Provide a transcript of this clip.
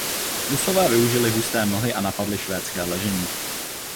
Rusové využili husté mlhy a napadli švédské ležení.